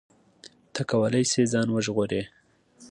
ته کولی شې ځان وژغورې.